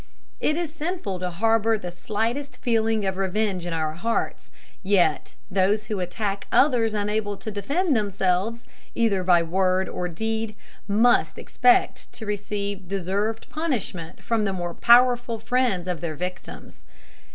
It is sinful to harbour the slightest feeling of revenge in our hearts; yet those who attack others unable to defend themselves, either by word or deed, must expect to receive deserved punishment from the more powerful friends of their victims.